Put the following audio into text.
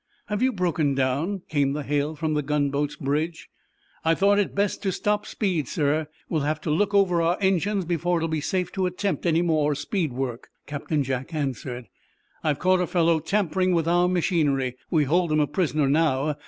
"Have you broken down?" came the hail from the gunboat's bridge. "I thought it best to stop speed, sir. We'll have to look over our engines before it will be safe to attempt any more speed work," Captain Jack answered. "I've caught a fellow tampering with our machinery. We hold him a prisoner, now.